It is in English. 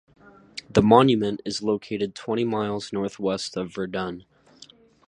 The monument is located twenty miles northwest of Verdun.